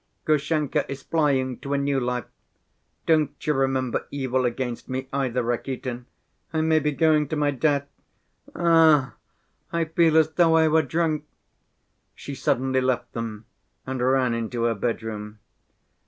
Grushenka is flying to a new life.... Don't you remember evil against me either, Rakitin. I may be going to my death! Ugh! I feel as though I were drunk!" She suddenly left them and ran into her bedroom.